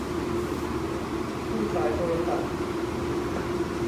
คู่สายโทรศัพท์